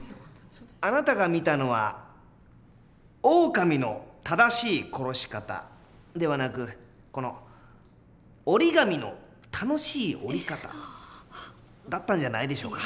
あなたが見たのは「オオカミのただしいころし方」ではなくこの「オリガミのたのしいおり方」だったんじゃないでしょうか？